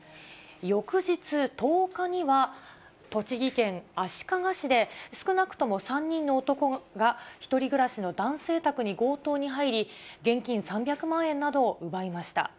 翌日１０日には、栃木県足利市で、少なくとも３人の男が１人暮らしの男性宅に強盗に入り、現金３００万円などを奪いました。